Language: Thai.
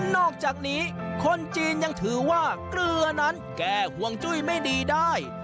นอกจากนี้คนจีนยังถือว่าเกลือนั้นแก้ห่วงจุ้ยไม่ดีได้